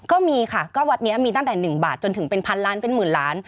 ก็มีค่ะก็วัดนี้มีตั้งแต่๑บาทจนถึงเป็นพันล้านเป็นหมื่นล้าน